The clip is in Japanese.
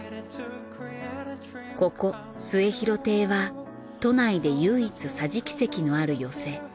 ここ『末廣亭』は都内で唯一桟敷席のある寄席。